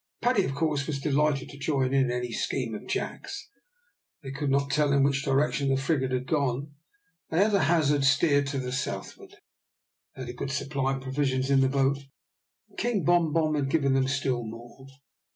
Paddy, of course, was delighted to join in any scheme of Jack's. They could not tell in which direction the frigate had gone. They, at a hazard, steered to the southward. They had a good supply of provisions in the boat, and King Bom Bom had given them still more.